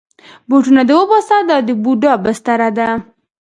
بوټونه دې وباسه، دا د بوډا بستره ده.